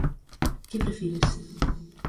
¿Que prefires...?